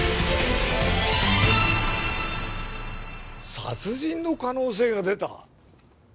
殺人の可能性が出た！？